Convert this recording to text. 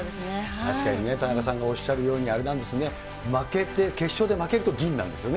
確かにね、田中さんがおっしゃるように、あれなんですね、負けて、決勝で負けると銀なんですよね。